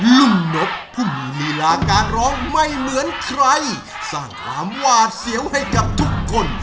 นบผู้มีลีลาการร้องไม่เหมือนใครสร้างความหวาดเสียวให้กับทุกคน